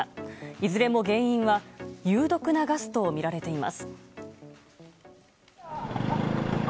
いずれも原因は有毒なガスとみられています。